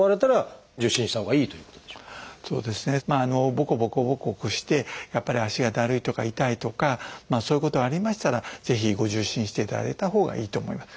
ボコボコボコボコしてやっぱり足がだるいとか痛いとかそういうことがありましたらぜひご受診していただいたほうがいいと思います。